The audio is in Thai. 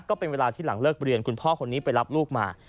ก็เป็นเวลาที่หลังเลิกเรียนคุณพ่อคนนี้ไปรับลูกมา